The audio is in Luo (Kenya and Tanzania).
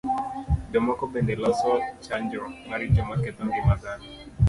Jomoko bende loso chanjo maricho maketho ngima dhano.